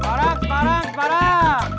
barang barang barang